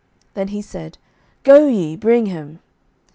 Then he said, Go ye, bring him.